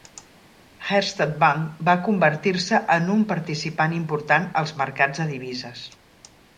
Herstatt Bank va convertir-se en un participant important als mercats de divises.